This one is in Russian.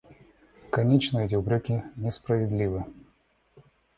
Конечно, и эти упреки несправедливы.